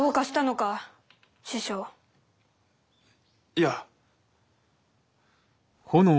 いや。